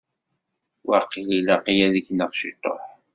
Waqil ilaq-iyi ad gneɣ ciṭuḥ.